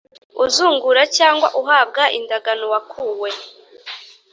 Uzungura cyangwa uhabwa indagano wakuwe